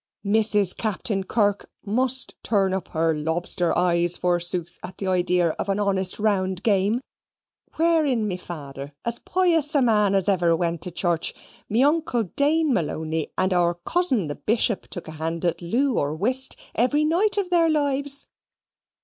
Mrs. Captain Kirk must turn up her lobster eyes forsooth at the idea of an honest round game (wherein me fawther, as pious a man as ever went to church, me uncle Dane Malony, and our cousin the Bishop, took a hand at loo, or whist, every night of their lives).